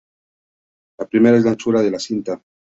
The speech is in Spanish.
La primera es la anchura de la cinta.